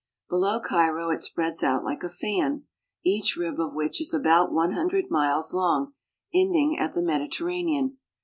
Below Cairo it spreads out like a fan, each rib of which is about one hundred . miles long, ending at the Mediterranean.